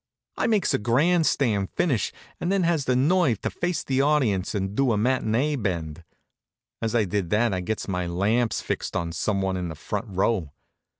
I makes a grandstand finish, and then has the nerve to face the audience and do a matinée bend. As I did that I gets my lamps fixed on some one in the front row.